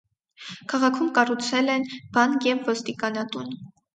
Քաղաքում կառուցել են բանկ և ոստիկանատուն։